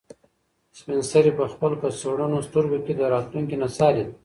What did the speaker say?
سپین سرې په خپل کڅوړنو سترګو کې د راتلونکي نڅا لیده.